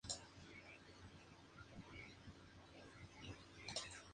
Ha sido alcalde de su pueblo, Calzadilla.